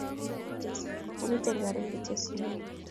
Amiten karun kityok sinyon